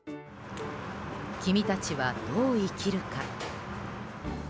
「君たちはどう生きるか」。